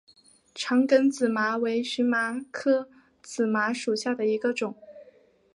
长梗紫麻为荨麻科紫麻属下的一个种。